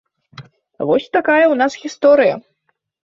Вось такая ў нас гісторыя.